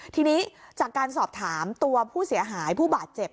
ทีนี้จากการสอบถามตัวผู้เสียหายผู้บาดเจ็บ